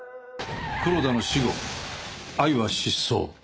黒田の死後藍は失踪。